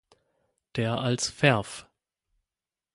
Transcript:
Der als "Verf.